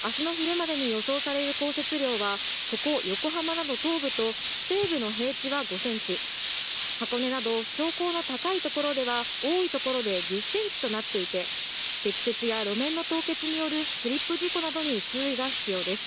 あすの昼までに予想される降雪量は、ここ横浜など東部と、西部の平地は５センチ、箱根など標高の高い所では、多い所で１０センチとなっていて、積雪や路面の凍結によるスリップ事故などに注意が必要です。